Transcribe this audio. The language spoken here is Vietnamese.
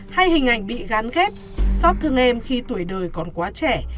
hay hình ảnh bị gán ghép xót thương em khi tuổi đời còn quá trẻ